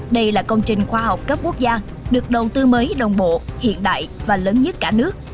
đây là công trình khoa học cấp quốc gia được đầu tư mới đồng bộ hiện đại và lớn nhất cả nước